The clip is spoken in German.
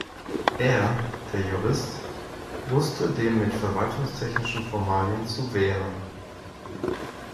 Er, der Jurist, wusste dem mit verwaltungstechnischen Formalien zu „wehren“.